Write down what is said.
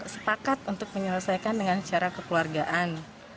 sepakat untuk menyelesaikan dengan cara kekeluargaan